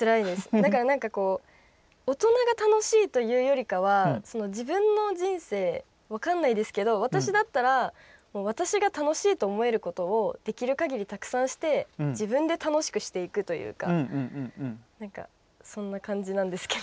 だから大人が楽しいというよりかは自分の人生、分かんないですけど私だったら私が楽しいと思えることをできるかぎり、たくさんして自分で楽しくしていくというかそんな感じなんですけど。